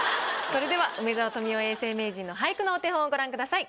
それでは梅沢富美男永世名人の俳句のお手本をご覧ください。